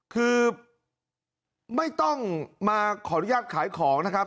คือไม่ต้องมาขออนุญาตขายของนะครับ